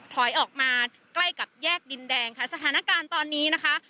ถอยออกมาใกล้กับแยกดินแดงค่ะสถานการณ์ตอนนี้นะคะ